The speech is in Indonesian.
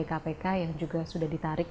ada pegawai kpk yang juga sudah diperiksa